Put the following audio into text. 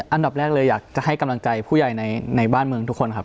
อันดับแรกเลยอยากจะให้กำลังใจผู้ใหญ่ในบ้านเมืองทุกคนครับ